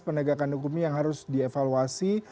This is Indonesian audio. penegakan hukumnya yang harus dievaluasi